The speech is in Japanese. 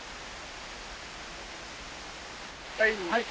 はい。